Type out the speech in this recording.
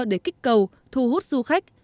để kích cầu thu hút du khách